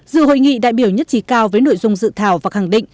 dự hội nghị đại biểu nhất trí cao với nội dung dự thảo và khẳng định